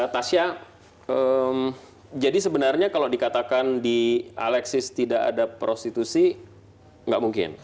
tasya jadi sebenarnya kalau dikatakan di alexis tidak ada prostitusi nggak mungkin